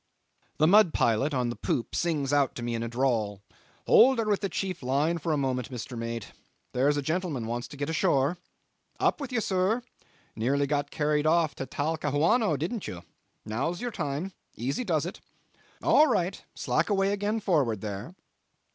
The mud pilot on the poop sings out to me in a drawl, "Hold her with the check line for a moment, Mister Mate. There's a gentleman wants to get ashore. ... Up with you, sir. Nearly got carried off to Talcahuano, didn't you? Now's your time; easy does it. ... All right. Slack away again forward there."